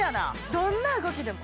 どんな動きでも。